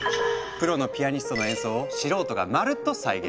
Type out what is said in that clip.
プロのピアニストの演奏を素人がまるっと再現。